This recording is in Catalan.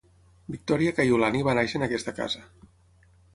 Victoria Kaiulani va néixer en aquesta casa.